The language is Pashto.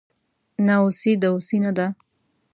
ناوسي دووسي نده